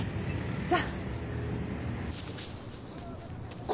さあ。